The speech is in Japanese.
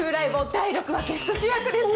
第６話ゲスト主役です！